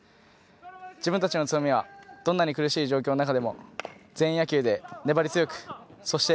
自分たちの強みはどんなに苦しい状況の中でも全員野球で粘り強くそして